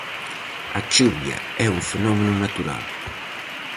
A chuvia é un fenómeno natural.